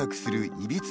いびつ